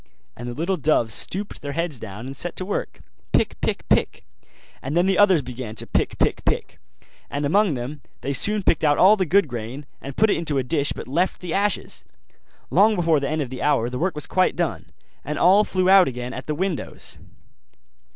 And the little doves stooped their heads down and set to work, pick, pick, pick; and then the others began to pick, pick, pick: and among them all they soon picked out all the good grain, and put it into a dish but left the ashes. Long before the end of the hour the work was quite done, and all flew out again at the windows.